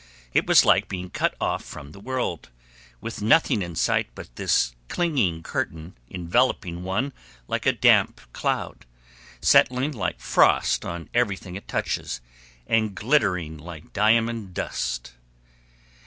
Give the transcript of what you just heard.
It was like being cut off from the world, with nothing in sight but this clinging curtain enveloping one like a damp cloud, settling like frost on everything it touches, and glittering like diamond dust.